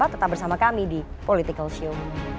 tetap bersama kami di political show